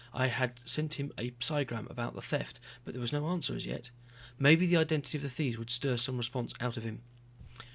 I had sent him a psigram about the theft, but there was no answer as yet. Maybe the identity of the thieves would stir some response out of him.